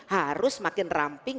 harus makin ramping